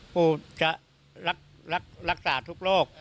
ปู่จะรักษาทุกโรค